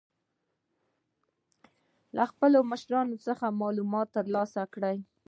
له خپلو مشرانو څخه معلومات تر لاسه کړئ.